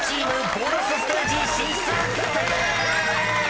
ボーナスステージ進出決定でーす！］